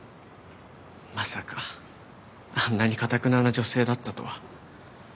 まさかあんなに頑なな女性だったとは。